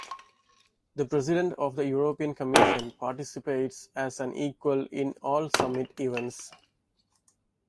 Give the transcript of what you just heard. The president of the European Commission participates as an equal in all summit events.